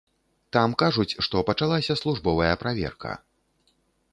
Там кажуць, што пачалася службовая праверка.